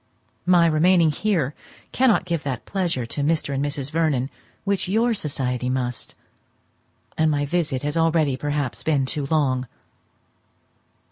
My remaining here cannot give that pleasure to Mr. and Mrs. Vernon which your society must; and my visit has already perhaps been too long.